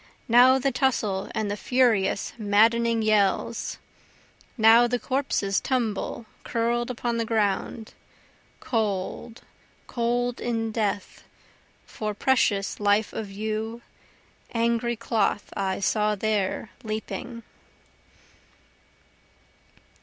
now the tussle and the furious maddening yells, Now the corpses tumble curl'd upon the ground, Cold, cold in death, for precious life of you, Angry cloth I saw there leaping.)